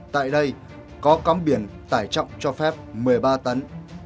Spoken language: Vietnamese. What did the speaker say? tại đây có cắm biển tải trọng cho phép một mươi ba tấn